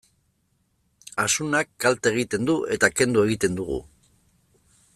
Asunak kalte egiten du, eta kendu egiten dugu.